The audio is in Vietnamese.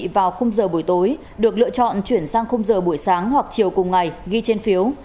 vào giờ buổi tối được lựa chọn chuyển sang khung giờ buổi sáng hoặc chiều cùng ngày ghi trên phiếu